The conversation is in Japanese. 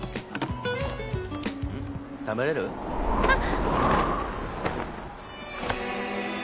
食べれる？あっ！